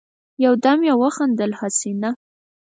يودم يې وخندل: حسينه!